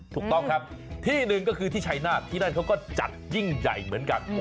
ถูกต้องครับที่หนึ่งก็คือที่ชัยนาธิ์ที่นั่นเขาก็จัดยิ่งใหญ่เหมือนกัน